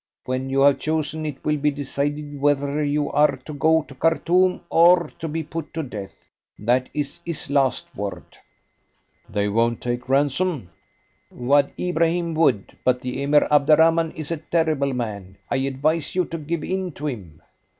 When you have chosen, it will be decided whether you are to go to Khartoum or to be put to death. That is his last word." "They won't take ransom?" "Wad Ibrahim would, but the Emir Abderrahman is a terrible man. I advise you to give in to him."